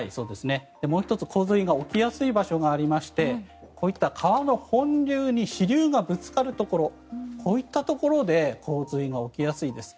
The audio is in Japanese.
もう１つ、洪水が起きやすい場所がありましてこういった川の本流に支流がぶつかるところこういったところで洪水が起きやすいです。